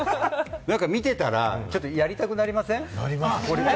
見てたら、なんかやりたくなりません？